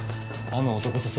あの男さ